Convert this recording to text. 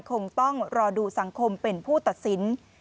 คงต้องรอดูสังคมเป็นผู้ตัดสิน